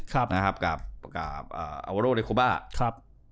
กับอาวาโรเรโคบ้า